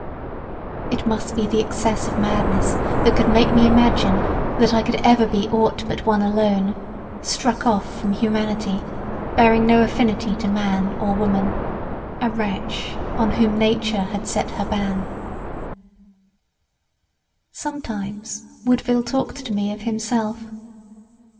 It must be the excess of madness that could make me imagine that I could ever be aught but one alone; struck off from humanity; bearing no affinity to man or woman; a wretch on whom Nature had set her ban. Sometimes Woodville talked to me of himself.